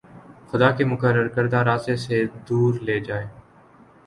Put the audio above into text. خدا کے مقرر کردہ راستے سے دور لے جائے